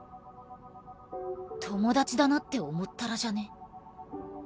友達だなって思ったらじゃね？